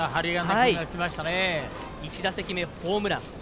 １打席目、ホームラン。